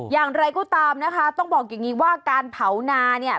อย่างไรก็ตามนะคะต้องบอกอย่างนี้ว่าการเผานาเนี่ย